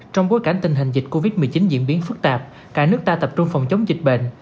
trong bối cảnh tình hình dịch covid một mươi chín diễn biến phức tạp cả nước ta tập trung phòng chống dịch bệnh